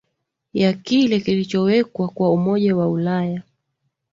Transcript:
ya kile kilichowekwa kwa umoja wa ulaya